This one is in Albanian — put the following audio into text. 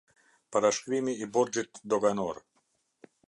Parashkrimi i borxhit doganor.